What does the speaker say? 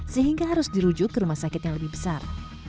sehingga harus dirujuk ke rumah sakit yang lebih besar